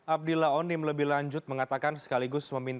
abdillah onim lebih lanjut mengatakan